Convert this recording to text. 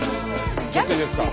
ちょっといいですか？